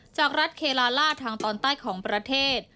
จากรัฐเคลาล่าทางตอนใต้ของประเทศ